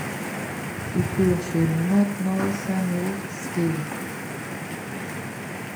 Dü brüsch jo nùmme de Nààs nooch ze gehn.